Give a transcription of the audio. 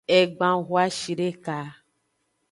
Egban hoashideka.